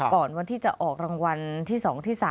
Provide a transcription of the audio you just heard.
วันที่จะออกรางวัลที่๒ที่๓